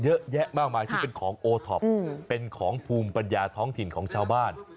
เยอะแยะมากมายที่เป็นของโอท็อปเป็นของภูมิปัญญาท้องถิ่นของชาวบ้าน